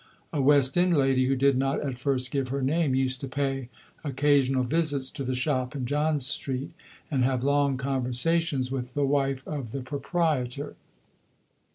A west end lady, who did not at first give her name, used to pay occasional visits to the shop in John Street, and have long conversations with the wife of the proprietor.